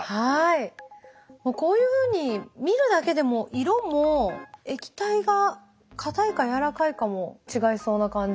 こういうふうに見るだけでも色も液体がかたいかやわらかいかも違いそうな感じ。